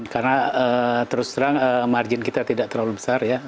karena terus terang margin kita tidak terlalu besar ya